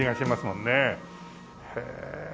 へえ。